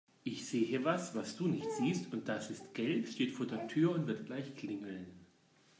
Ich sehe was, was du nicht siehst und das ist gelb, steht vor der Tür und wird gleich klingeln.